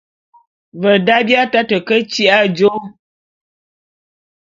Ve da, bi ataté ke tyi'i ajô.